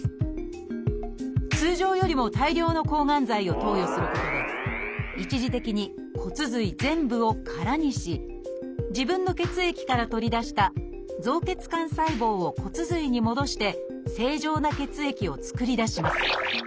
通常よりも大量の抗がん剤を投与することで一時的に骨髄全部を空にし自分の血液から取り出した造血幹細胞を骨髄に戻して正常な血液をつくり出します。